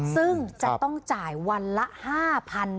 ซึ่งจะต้องจ่ายวันละ๕๐๐บาท